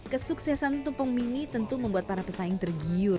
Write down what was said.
kesuksesan tumpeng mini tentu membuat para pesaing tergiur